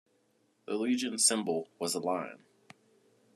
The legion symbol was a lion.